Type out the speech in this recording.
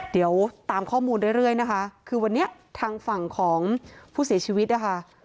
เดี๋ยวตามข้อมูลเรื่อยนะคะคือวันนี้ทางฝั่งของผู้เสียชีวิตนะคะ